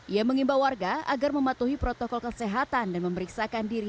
ia mengimbau warga agar mematuhi protokol kesehatan dan memeriksakan diri